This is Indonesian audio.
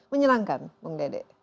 menyenangkan bung dede